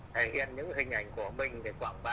thể hiện những hình ảnh của mình để quảng bá